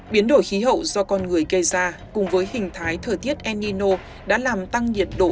biến đổi khí hậu do con người gây ra cùng với hình thái thở tiết enino đã làm tăng nhiệt độ